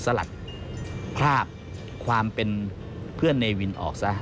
สลัดคราบความเป็นเพื่อนเนวินออกซะ